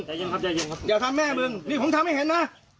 ใจเย็นครับใจเย็นครับอย่าทำแม่มึงนี่ผมทำให้เห็นนะ